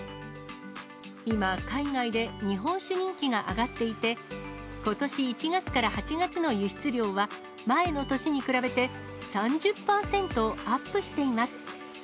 今、海外で日本酒人気が上がっていて、ことし１月から８月の輸出量は、前の年に比べて３０％アップしています。